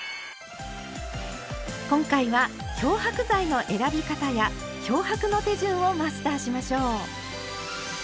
今回は漂白剤の選び方や漂白の手順をマスターしましょう。